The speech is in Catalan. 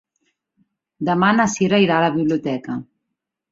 Demà na Cira irà a la biblioteca.